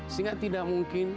sehingga tidak mungkin